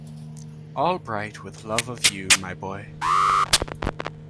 All bright with love of you, my boy.